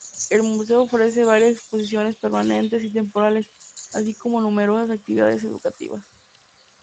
El museo ofrece varias exposiciones permanentes y temporales, así como numerosas actividades educativas.